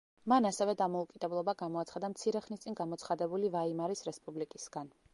მან ასევე დამოუკიდებლობა გამოაცხადა მცირე ხნის წინ გამოცხადებული ვაიმარის რესპუბლიკისგან.